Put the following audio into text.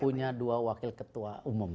punya dua wakil ketua umum